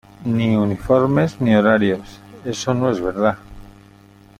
ni uniformes ni horarios... eso no es verdad .